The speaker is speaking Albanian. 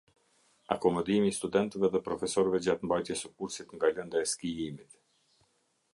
Akomodimi i studentëve dhe profesorëve gjatë mbajtjes së kursit nga lënda e skijimit.